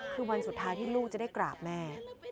คือวันสุดท้ายที่ลูกจะได้กราบแม่